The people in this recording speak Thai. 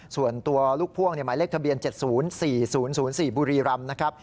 ส่วนตัวลูกพ่วงหมายเลขทะเบียน๗๐๔๐๐๔บุรีรำนะครับ